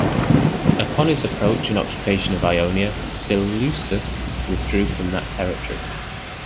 Upon his approach and occupation of Ionia, Seleucus withdrew from that territory.